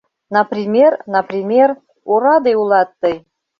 «Например, например»... ораде улат тый...